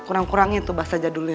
kurang kurangin tuh bahasa jadulnya